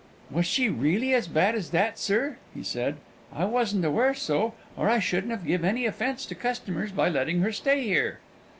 "Was she reelly as bad as that, sir?" he said. "I wasn't aware so, or I shouldn't give any offence to customers by letting her stay here."